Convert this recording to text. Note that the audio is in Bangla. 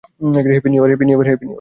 Happy new year.